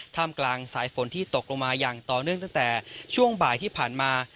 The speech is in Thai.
ท่ามกลางสายฝนที่ตกลงมาอย่างต่อเนื่องตั้งแต่ช่วงบ่ายที่ผ่านมา